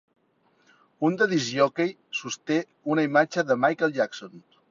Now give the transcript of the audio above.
Un de discjòquei sosté una imatge de Michael Jackson.